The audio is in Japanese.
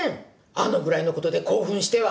あのぐらいのことで興奮しては。